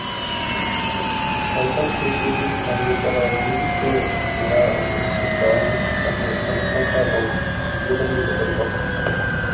সন্তান স্বীকৃতি, ছড়িয়ে পড়া, অতিরিক্ত-জোড়া/অতিরিক্ত দল সহ-জনস্ংখ্যা এবং বিলম্বিত পরিপক্কতা।